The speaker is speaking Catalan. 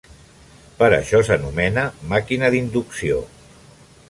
Per això s'anomena màquina d'inducció.